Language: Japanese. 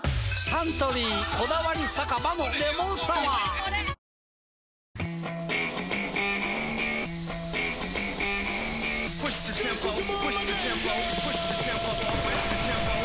サントリー「こだわり酒場のレモンサワー」プシューッ！